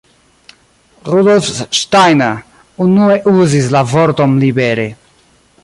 Rudolf Steiner unue uzis la vorton libere.